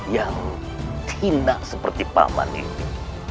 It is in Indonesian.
yang cina seperti paman ini